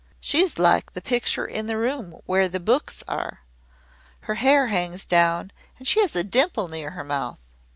She is like the picture in the room where the books are. Her hair hangs down and she has a dimple near her mouth.'